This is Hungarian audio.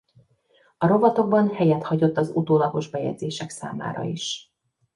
A rovatokban helyet hagyott az utólagos bejegyzések számára is.